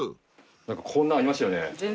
何かこんなんありましたよね。